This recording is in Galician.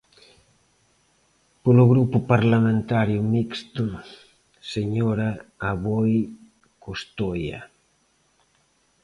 Polo Grupo Parlamentario Mixto, señora Aboi Costoia.